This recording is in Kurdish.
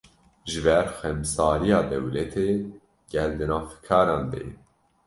Ji ber xemsariya dewletê, gel di nav fikaran de ye